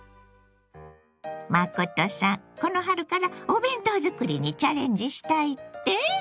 真さんこの春からお弁当作りにチャレンジしたいって？